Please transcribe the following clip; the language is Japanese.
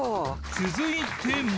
［続いても］